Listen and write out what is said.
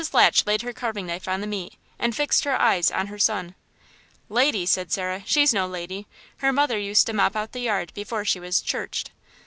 Latch laid her carving knife on the meat and fixed her eyes on her son. "Lady?" said Sarah; "she's no lady! Her mother used to mop out the yard before she was 'churched.'"